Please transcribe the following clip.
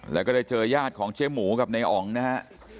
แล้วก็ได้เจอยาดของเจหมูกับนายอ๋องนะครับ